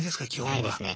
いないですね。